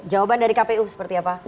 jawaban dari kpu seperti apa